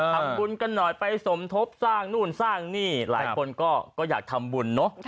ทำบุญกันหน่อยไปสมทบสร้างนู่นสร้างนี่หลายคนก็อยากทำบุญเนอะ